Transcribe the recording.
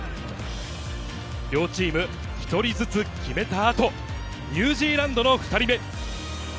両チーム１人ずつ決めた後、ニュージーランドの２人目。